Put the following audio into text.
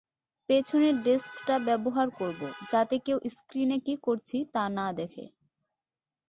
পেছনের ডেস্কটা ব্যবহার করব যাতে কেউ স্ক্রিনে কী করছি, তা না দেখে।